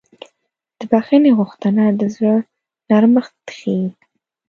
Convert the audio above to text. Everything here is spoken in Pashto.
د بښنې غوښتنه د زړه نرمښت ښیي.